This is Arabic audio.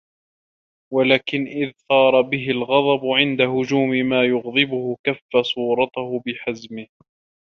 وَلَكِنْ إذَا ثَارَ بِهِ الْغَضَبُ عِنْدَ هُجُومِ مَا يُغْضِبُهُ كَفَّ سَوْرَتَهُ بِحَزْمِهِ